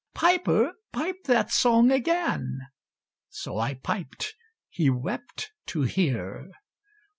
"Piper, pipe that song again"; So I piped: he wept to hear.